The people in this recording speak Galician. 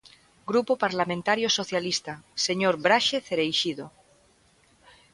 Grupo Parlamentario Socialista, señor Braxe Cereixido.